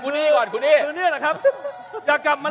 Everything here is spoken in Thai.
คุณจิลายุเขาบอกว่ามันควรทำงานร่วมกัน